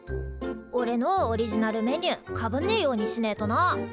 おれのオジリナルメニューかぶんねえようにしねえとな。